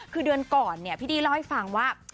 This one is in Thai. คือเดือนก่อนเนี่ยพี่ดี้เล่าให้ฟังว่า